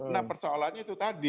nah persoalannya itu tadi